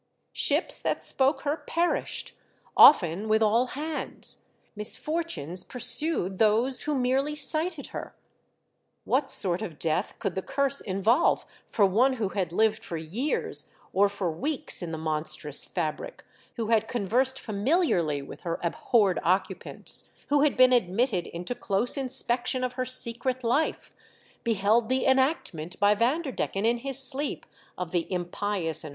Ships that spoke her perished, often with all hands ; misfor tunes pursued those who merely sighted her. What sort of death could the Curse involve for one who had lived for years or for weeks in the monstrous fabric, who had conversed familiarly with her abhorred occupants, who had been admitted into close inspection of her secret life, beheld the enactment by Van derdecken in his sleep of the impious and I AM ALONE.